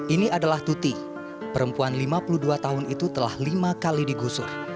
ini adalah tuti perempuan lima puluh dua tahun itu telah lima kali digusur